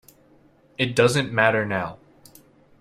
It doesn't matter now.